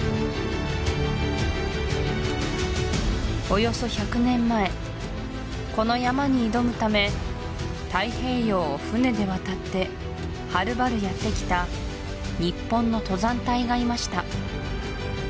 およそ１００年前この山に挑むため太平洋を船で渡ってはるばるやってきた日本の登山隊がいました